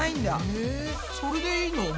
えそれでいいの？